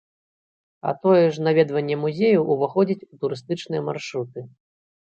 А тое ж наведванне музеяў уваходзіць у турыстычныя маршруты.